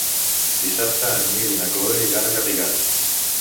Dissabte en Nil i na Cloè iran a Garrigàs.